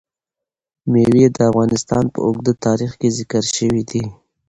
مېوې د افغانستان په اوږده تاریخ کې ذکر شوی دی.